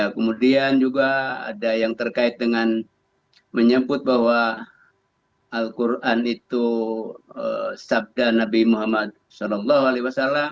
kemudian juga ada yang terkait dengan menyebut bahwa al quran itu sabda nabi muhammad saw